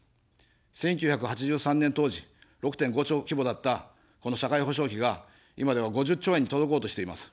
１９８３年当時、６．５兆規模だったこの社会保障費が、今では５０兆円に届こうとしています。